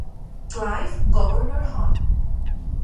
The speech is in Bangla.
ক্লাইভ গভর্নর হন।